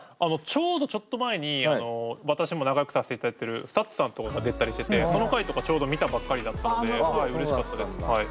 ちょうどちょっと前に私も仲よくさせていただいてるＳＴＵＴＳさんとかが出てたりしててその回とかちょうど見たばっかりだったのでうれしかったですはい。